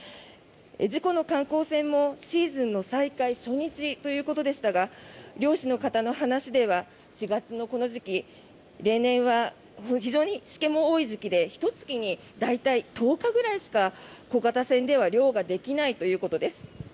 事故の観光船もシーズンの再開初日ということでしたが漁師の方の話では４月のこの時期例年は非常にしけも多い時期でひと月に大体１０日くらいしか小型船では漁ができないということです。